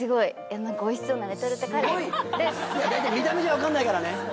見た目じゃ分かんないからね